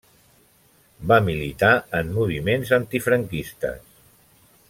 Va militar en moviments antifranquistes.